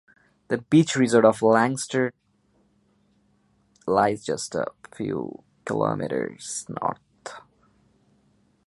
The beach resort of Langstrand lies just a few kilometres north.